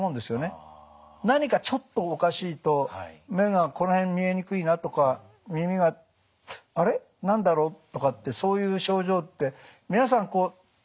何かちょっとおかしいと目がこの辺見えにくいなとか耳があれ何だろうとかってそういう症状って皆さんこう一日に１回とかね